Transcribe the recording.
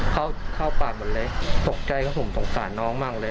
เข้าปากหมดเลยตกใจครับผมสงสารน้องมากเลย